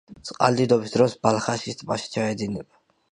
წყალდიდობის დროს ბალხაშის ტბაში ჩაედინება.